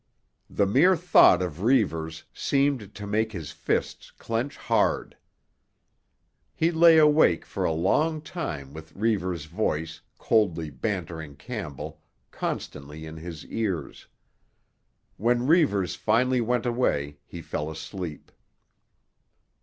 The mere thought of Reivers seemed to make his fists clench hard. He lay awake for a long time with Reivers' voice, coldly bantering Campbell, constantly in his ears. When Reivers finally went away he fell asleep.